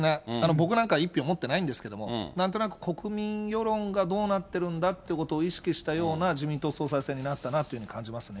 僕なんか１票持ってないんですけれども、なんとなく国民世論がどうなってるんだということを意識したような自民党総裁選になったなと感じますね。